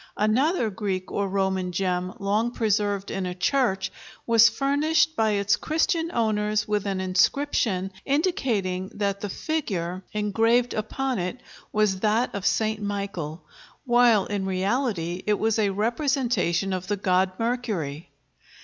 Another Greek or Roman gem, long preserved in a church, was furnished by its Christian owners with an inscription indicating that the figure engraved upon it was that of St. Michael, while in reality it was a representation of the god Mercury.